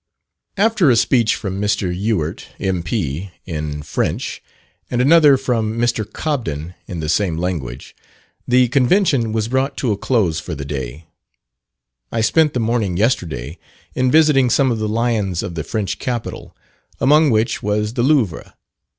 After a speech from Mr. Ewart, M.P., in French, and another from Mr. Cobden in the same language, the Convention was brought to a close for the day. I spent the morning yesterday, in visiting some of the lions of the French capital, among which was the Louvre.